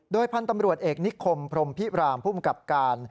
พันธุ์ตำรวจเอกนิคมพรมพิรามภูมิกับการ